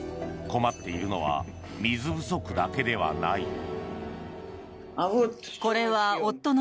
困っているのは水不足だけではない。